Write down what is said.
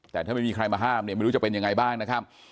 แต่ถ้าไม่มีใครมาห้ามเนี่ยไม่รู้จะเป็นยังไงบ้างนะครับ